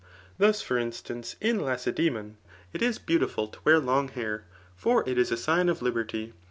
Thus for instance, in Lacedaemon it is beautiful to wear long hair ; for it is a sign of liberty.